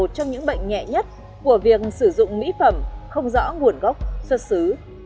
trong những bệnh nhẹ nhất của việc sử dụng mỹ phẩm không rõ nguồn gốc xuất xứ